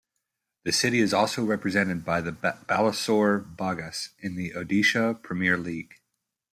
The city is also represented by the Balasore Baghas in the Odisha Premier League.